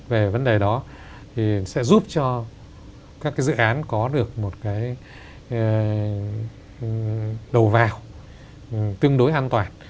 về vấn đề đó thì sẽ giúp cho các dự án có được một cái đầu vào tương đối an toàn